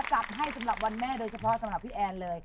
จัดให้สำหรับวันแม่โดยเฉพาะสำหรับพี่แอนเลย